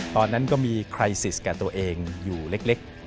ตอนนั้นก็มีใครซิสแก่ตัวเองอยู่เล็ก